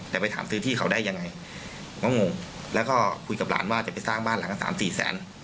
แต่ไปถามซื้อที่เขาได้ยังไงก็งงแล้วก็คุยกับหลานว่าจะไปสร้างบ้านหลังสามสี่แสน